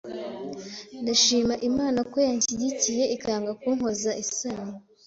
Ndashima Imana ko yanshyigikiye ikanga kunkoza isoni